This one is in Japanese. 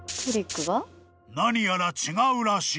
［何やら違うらしい］